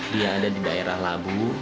dia ada di daerah labu